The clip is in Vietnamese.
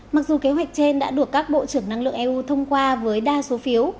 mặc dù kế hoạch trên đã được các bộ trưởng năng lượng eu thông qua với đa số phiếu